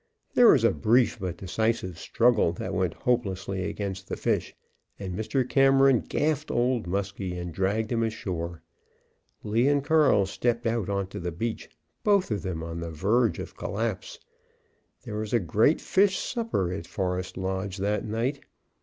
There was a brief but decisive struggle that went hopelessly against the fish, and Mr. Cameron gaffed Old Muskie and dragged him ashore. Lee and Carl stepped out on the beach, both of them on the verge of collapse. There was a great fish supper at Forest Lodge that night.